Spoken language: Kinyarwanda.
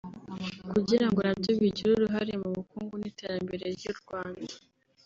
kugira ngo nabyo bigire uruhare mu bukungu n’iterambere ry’u Rwanda